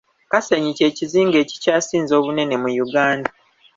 Kasenyi ky'ekizinga ekikyasinze obunene mu Uganda.